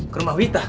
ke rumah wita